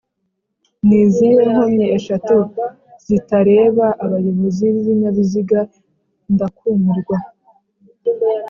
nizihe nkomyi eshatu zitareba abayobozi b’ibinyabiziga ndakumirwa